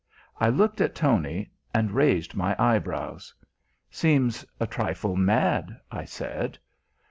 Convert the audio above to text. I looked at Tony and raised my eyebrows. "Seems a trifle mad," I said.